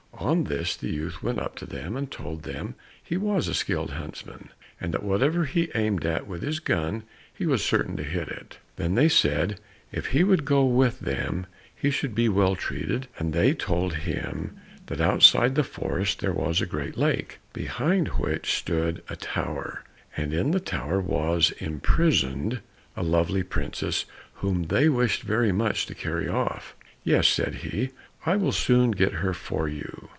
On this the youth went up to them and told them he was a skilled huntsman, and that whatever he aimed at with his gun, he was certain to hit. Then they said if he would go with them he should be well treated, and they told him that outside the forest there was a great lake, behind which stood a tower, and in the tower was imprisoned a lovely princess, whom they wished very much to carry off. "Yes," said he, "I will soon get her for you."